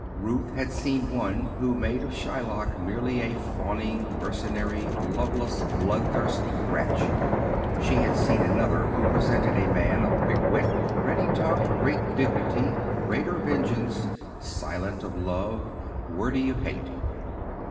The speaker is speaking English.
Ruth had seen one who made of Shylock merely a fawning, mercenary, loveless, blood thirsty wretch. She had seen another who presented a man of quick wit, ready tongue, great dignity, greater vengeance, silent of love, wordy of hate.